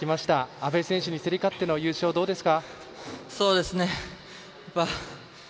安部選手に競り勝っての優勝どうですか？